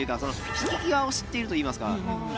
引き際を知っているといいますか。